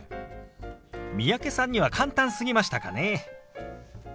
三宅さんには簡単すぎましたかね。